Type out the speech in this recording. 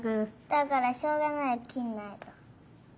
だからしょうがないきんないと。